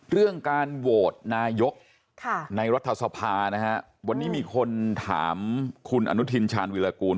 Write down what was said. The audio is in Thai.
เรื่องการโหวตนายกในรัฐสภานะฮะวันนี้มีคนถามคุณอนุทินชาญวิรากูล